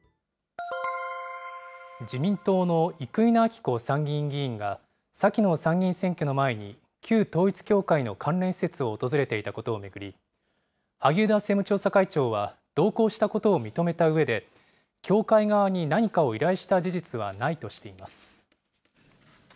自民党の生稲晃子参議院議員が、先の参議院選挙の前に、旧統一教会の関連施設を訪れていたことを巡り、萩生田政務調査会長は同行したことを認めたうえで、教会側に何かを依頼した事実はないとしています。